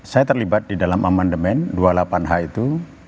saya terlibat di dalam amandemen dua puluh delapan h itu